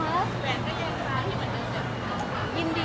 แข่งทุกแหวนก็แยงบาลเหมือนเดิม